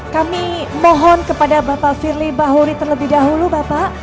kami mohon kepada bapak firly bahuri terlebih dahulu bapak